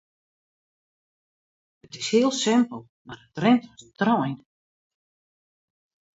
It is hiel simpel mar it rint as in trein.